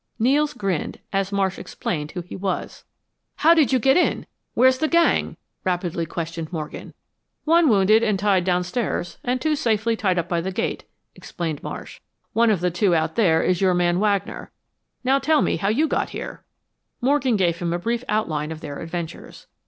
Nels grinned as Marsh explained who he was. "How did you get in? Where's the gang?" rapidly questioned Morgan. "One wounded and tied downstairs, and two safely tied up by the gate," explained Marsh. "One of the two out there is your man Wagner. Now tell me how you got here." Morgan gave him a brief outline of their adventures.